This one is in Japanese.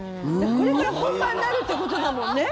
これから本番になるってことだもんね。